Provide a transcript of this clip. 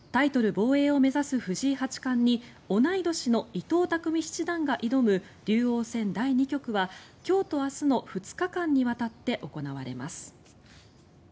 防衛を目指す藤井八冠に同い年の伊藤匠七段が挑む竜王戦第２局は今日と明日の２日間にわたって行われます。